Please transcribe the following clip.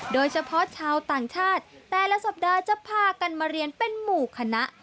โดยเฉพาะชาวต่างชาติแต่ละสัปดาห์จะพากันมาเรียนเป็นหมู่คณะ